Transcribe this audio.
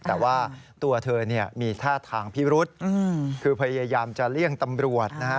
แต่ว่าตัวเธอเนี่ยมีท่าทางพิรุษคือพยายามจะเลี่ยงตำรวจนะฮะ